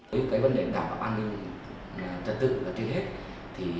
với vấn đề đảm bảo an ninh trật tự và truyền hết